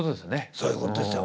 そういうことですよ。